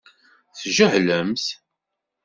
Tjehlemt.